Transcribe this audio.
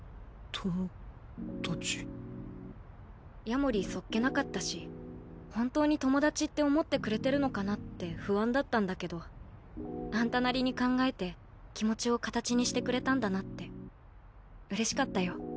夜守そっけなかったし本当に友達って思ってくれてるのかなって不安だったんだけどあんたなりに考えて気持ちを形にしてくれたんだなってうれしかったよ。